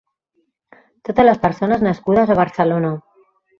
Totes les persones nascudes a Barcelona.